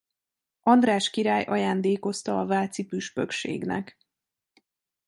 András király ajándékozta a váci püspökségnek.